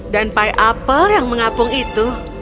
dan pie apple yang mengapung itu